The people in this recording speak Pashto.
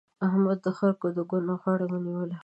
احمد د خلګو د ګوند غاړه ونيوله.